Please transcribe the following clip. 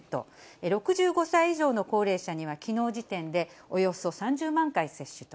６５歳以上の高齢者には、きのう時点でおよそ３０万回接種と。